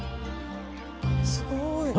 すごい。